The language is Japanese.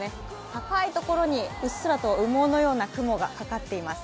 高いところにうっすらと羽毛のような雲がかかっています。